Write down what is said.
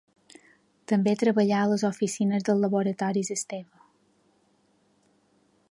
També treballà a les oficines dels Laboratoris Esteve.